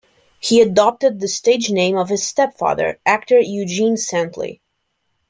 He adopted the stage name of his stepfather, actor Eugene Santley.